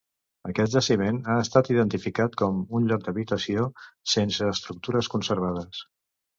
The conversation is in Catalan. Aquest jaciment ha estat identificat com un lloc d'habitació sense estructures conservades.